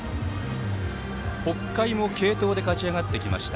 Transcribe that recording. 北海も、継投で勝ち上がってきました。